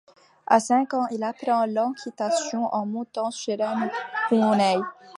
À cinq ans, il apprend l'équitation en montant sur un poney.